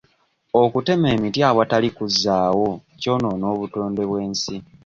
Okutema emiti awatali kuzzaawo kyonoona obutonde bw'ensi.